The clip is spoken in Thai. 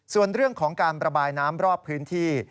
ส่วนเรื่องของการประบายน้ำรอบพื้นที่